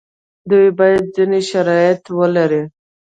دوی باید ځینې شرایط ولري.